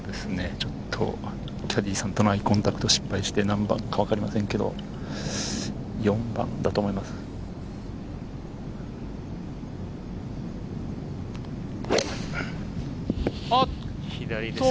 ちょっとキャディーさんとのアイコンタクトを失敗して何番か分かりませんが、４番だと思います。